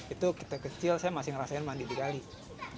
itu kita kecil saya masih ngerasain mandi di kali